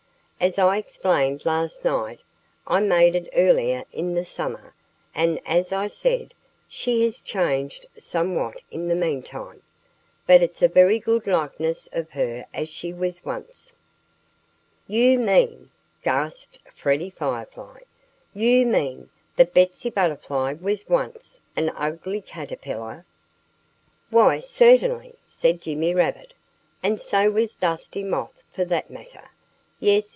As I explained last night, I made it earlier in the summer; and as I said, she has changed somewhat in the meantime. But it's a very good likeness of her as she was once." "You mean " gasped Freddie Firefly "you mean that Betsy Butterfly was once an ugly caterpillar?" "Why, certainly!" said Jimmy Rabbit. "And so was Dusty Moth, for that matter. Yes!